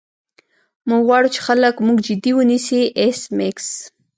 موږ غواړو چې خلک موږ جدي ونیسي ایس میکس